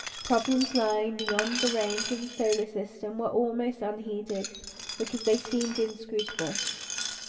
Problems lying beyond the range of the solar system were almost unheeded, because they seemed inscrutable.